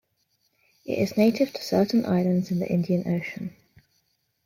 It is native to certain islands in the Indian Ocean.